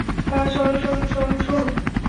সরুন, সরুন, সরুন, সরুন!